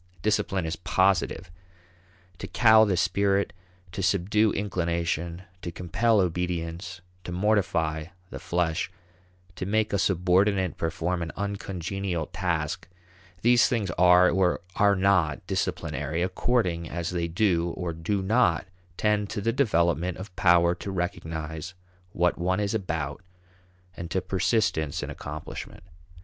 Discipline is positive. To cow the spirit, to subdue inclination, to compel obedience, to mortify the flesh, to make a subordinate perform an uncongenial task these things are or are not disciplinary according as they do or do not tend to the development of power to recognize what one is about and to persistence in accomplishment.